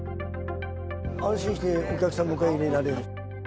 安心してお客さんを迎え入れられると。